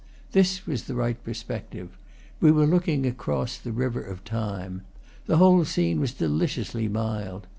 This was the right perspective; we were looking across the river of time. The whole scene was deliciously mild.